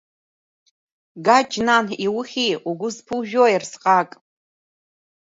Гаџь, нан, иухьи, угәы зԥужәои арсҟак?